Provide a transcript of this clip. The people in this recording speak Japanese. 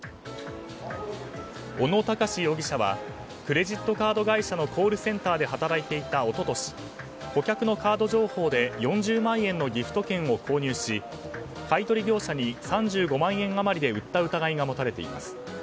小野孝容疑者はクレジットカード会社のコールセンターで働いていた一昨年顧客のクレジットカード情報で４０万円のギフト券を購入し買い取り業者に３５万円余りで売った疑いが持たれています。